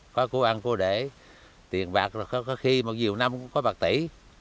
có cô ăn cô để tiền bạc có khi mà nhiều năm cũng có bạc tỷ